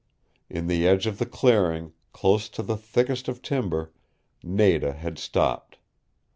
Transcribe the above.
In the edge of the clearing, close to the thicket of timber, Nada had stopped.